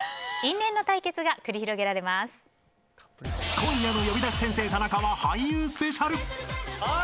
今夜の「呼び出し先生タナカ」は俳優スペシャル。